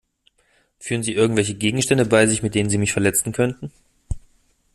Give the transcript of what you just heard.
Führen Sie irgendwelche Gegenstände bei sich, mit denen Sie mich verletzen könnten?